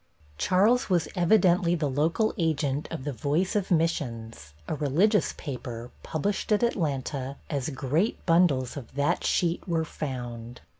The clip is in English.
Charles was evidently the local agent of the Voice of Missions, a "religious" paper, published at Atlanta, as great bundles of that sheet were found.